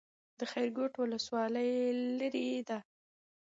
د خیرکوټ ولسوالۍ لیرې ده